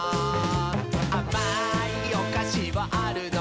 「あまいおかしはあるのかな？」